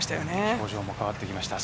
表情も変わってきました